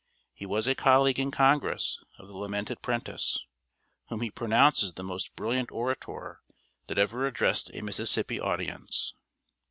He was a colleague in Congress of the lamented Prentiss, whom he pronounces the most brilliant orator that ever addressed a Mississippi audience.